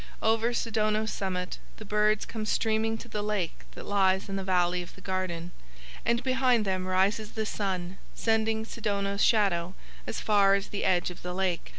Over Sidono's summit the birds come streaming to the lake that lies in the valley of the garden, and behind them rises the sun sending Sidono's shadow as far as the edge of the lake.